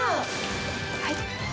はい。